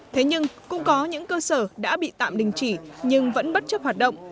thế nhưng cũng có những cơ sở đã bị tạm đình chỉ nhưng vẫn bất chấp hoạt động